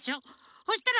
そしたらこ。